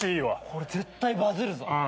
これ絶対バズるぞ。